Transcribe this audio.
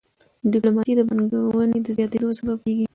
ډيپلوماسي د پانګوني د زیاتيدو سبب کېږي.